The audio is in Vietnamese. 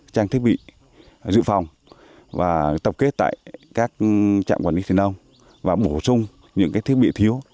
trang thiết bị dự phòng và tập kết tại các trạm quản lý thiên đông và bổ sung những thiết bị thiếu